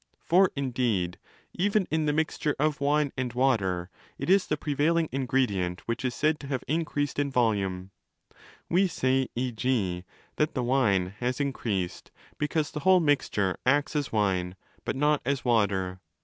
For indeed, even in the mixture of wine 321° and water, it is the prevailing ingredient which is said to have increased in volume. We say, e.g., that the wine has increased, because the whole mixture acts as wine but not as water.